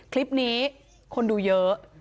คลิปนี้คนดูเยอะ